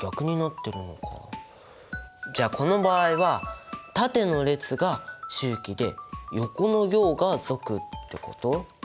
じゃあこの場合は縦の列が周期で横の行が族ってこと？